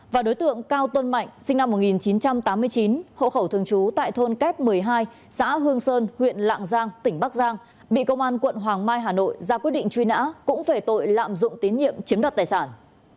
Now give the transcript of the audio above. và đối tượng cao tuân mạnh sinh năm một nghìn chín trăm tám mươi chín hộ khẩu thường trú tại thôn kép một mươi hai xã hương sơn huyện lạng giang tỉnh bắc giang bị công an quận hoàng mai hà nội ra quyết định truy nã cũng về tội lạm dụng tín nhiệm chiếm đoạt tài sản